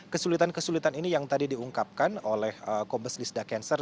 kesulitan kesulitan ini yang tadi diungkapkan oleh kombes lisda cancer